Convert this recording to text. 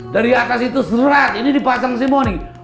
dari atas itu serat ini dipasang semua nih